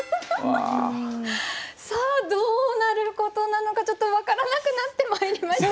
さあどうなることなのかちょっと分からなくなってまいりました。